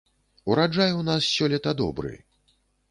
Ураджай у нас сёлета добры.